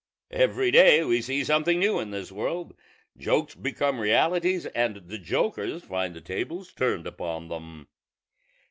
Every day we see something new in this world; jokes become realities, and the jokers find the tables turned upon them."